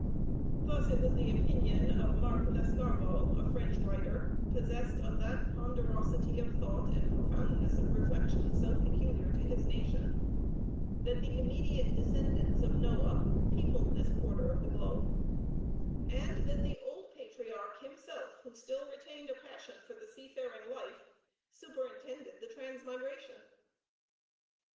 Thus it was the opinion of Mark Lescarbot, a French writer, possessed of that ponderosity of thought and profoundness of reflection so peculiar to his nation, that the immediate descendants of Noah peopled this quarter of the globe, and that the old patriarch himself, who still retained a passion for the seafaring life, superintended the transmigration.